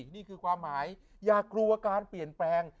นี่คือความหมายอย่ากลัวการเปลี่ยนแปลง